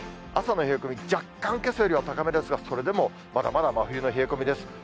朝の冷え込み、若干けさよりは高めですが、それでもまだまだ真冬の冷え込みです。